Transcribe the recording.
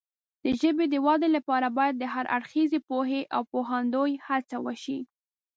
د ژبې د وده لپاره باید د هر اړخیزې پوهې او پوهاندۍ هڅه وشي.